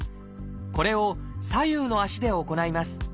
これを左右の足で行います。